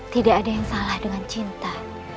tidak ada yang salah dengan cinta